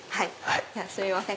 すみません